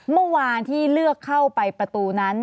เมื่อวานที่เลือกเข้าไปประตูนั้น